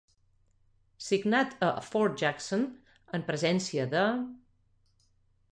Signat a Fort Jackson, en presència de--